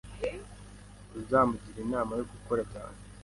Uzamugira inama yo gukora cyane?